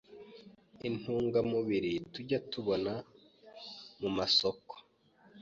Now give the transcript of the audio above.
intungamubiri tujya tubona ku masoko